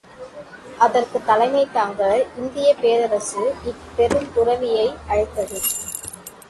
அதற்குத் தலைமைதாங்க இந்தியப் பேரரசு இப் பெருந் துறவியை அழைத்தது.